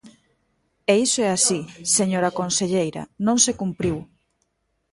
E iso é así, señora conselleira, non se cumpriu.